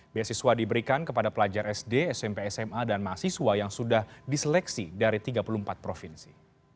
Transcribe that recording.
beasiswa diberikan kepada pelajar sd smp sma dan mahasiswa yang sudah diseleksi dari tiga puluh empat provinsi